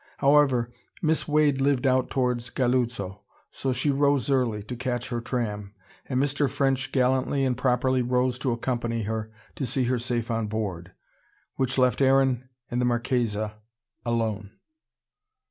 However, Miss Wade lived out towards Galuzzo, so she rose early, to catch her tram. And Mr. French gallantly and properly rose to accompany her, to see her safe on board. Which left Aaron and the Marchesa alone.